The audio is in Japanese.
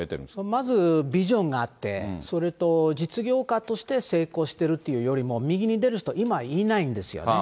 まずビジョンがあって、それと、実業家として成功してるっていうよりも右に出る人、今いないんですよね。